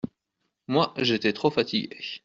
Moi, j’étais trop fatiguée.